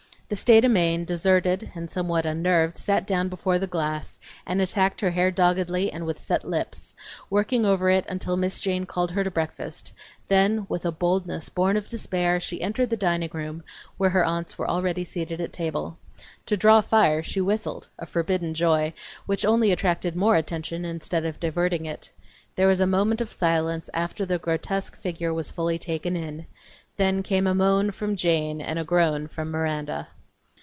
The State o' Maine, deserted and somewhat unnerved, sat down before the glass and attacked her hair doggedly and with set lips, working over it until Miss Jane called her to breakfast; then, with a boldness born of despair, she entered the dining room, where her aunts were already seated at table. To "draw fire" she whistled, a forbidden joy, which only attracted more attention, instead of diverting it. There was a moment of silence after the grotesque figure was fully taken in; then came a moan from Jane and a groan from Miranda.